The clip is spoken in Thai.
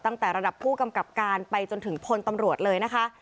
ตั้งแต่ระดับผู้กำกับการไปจนถึงพลตำรวจเลยนะคะ